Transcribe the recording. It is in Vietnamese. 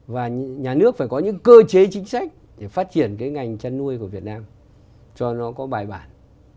và nhà nước phải có những cơ chế chính sách để phát triển cái ngành chăn nuôi của việt nam cho nó có bài bản